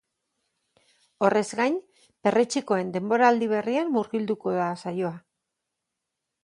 Horrez gain, perretxikoen denboraldi berrian murgilduko da saioa.